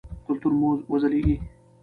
کلتور مو وځلیږي.